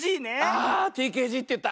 あＴＫＧっていった。